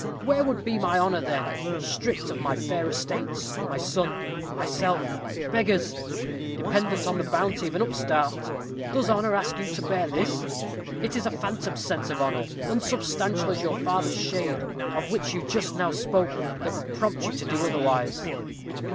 Where would be my honor, then, stripped of my fair estates my son myself beggars dependent on the bounty of an upstart? Does honor ask you to bear this? It is a phantom sense of honor, unsubstantial as your father's shade, of which you just now spoke, that would prompt you to do otherwise."